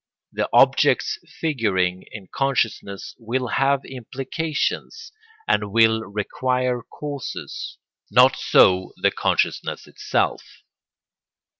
The objects figuring in consciousness will have implications and will require causes; not so the consciousness itself.